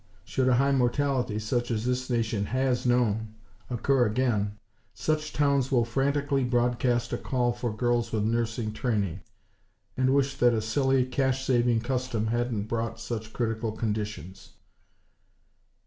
Should a high mortality, such as this Nation HAS known, occur again, such towns will frantically broadcast a call for girls with nursing training; and wish that a silly, cash saving custom hadn't brought such critical conditions."